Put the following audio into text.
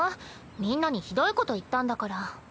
みんなにひどいこと言ったんだから。